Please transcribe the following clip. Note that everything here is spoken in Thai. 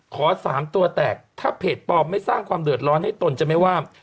สามตัวแตกถ้าเพจปลอมไม่สร้างความเดือดร้อนให้ตนจะไม่ว่า